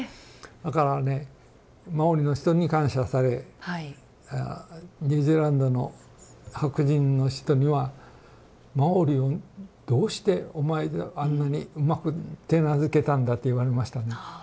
だからねマオリの人に感謝されニュージーランドの白人の人には「マオリをどうしてお前があんなにうまく手懐けたんだ」と言われましたね。